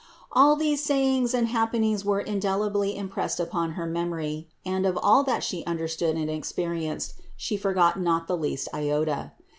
All these sayings and happenings were THE INCARNATION 511 indelibly impressed upon her memory, and, of all that She understood and experienced, She forgot not the least iota.